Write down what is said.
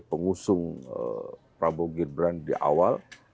pengusung prabowo gibran di awal